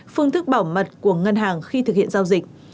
phương thức bảo mật của ngân hàng khi thực hiện giao dịch